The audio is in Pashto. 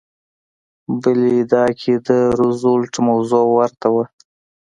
بلې ادعا کې د روزولټ موضوع ورته وه.